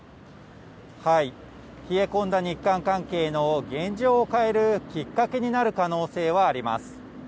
冷え込んだ日韓関係の現状を変えるきっかけになる可能性はあります。